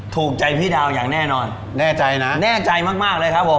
ถูกใจพี่ดาวอย่างแน่นอนแน่ใจนะแน่ใจมากมากเลยครับผม